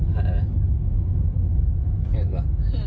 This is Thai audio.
เห็นปะ